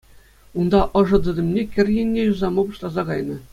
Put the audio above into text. Унта ӑшӑ тытӑмне кӗр енне юсама пуҫласа кайнӑ.